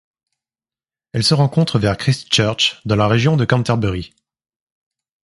Elle se rencontre vers Christchurch dans la région de Canterbury.